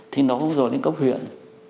thì nó không dồi đến cấp huyện